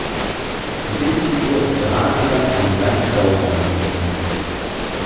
Die Titelfigur ist Dracula von Bram Stoker nachempfunden.